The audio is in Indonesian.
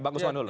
pak usman dulu